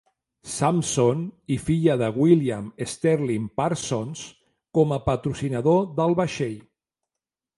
Sampson i filla de William Sterling Parsons, com a patrocinador del vaixell.